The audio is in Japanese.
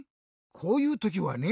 こういうときはね